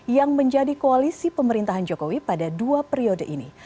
yang menjadi koalisi pemerintahan jokowi pada dua periode ini